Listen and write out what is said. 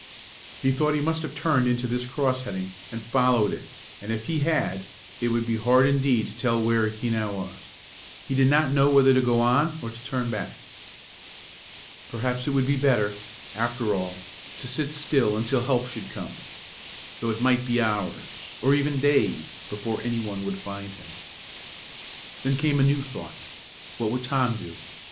He thought he must have turned into this cross heading, and followed it, and if he had, it would be hard indeed to tell where he now was. He did not know whether to go on or to turn back. Perhaps it would be better, after all, to sit still until help should come, though it might be hours, or even days, before any one would find him. Then came a new thought. What would Tom do?